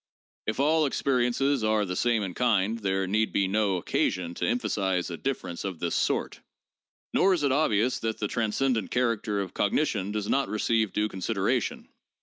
If all experiences are the same in kind, there need be no occasion to emphasize a difference of this sort, nor is it obvious that the transcendent character of cognition does not receive due con sideration.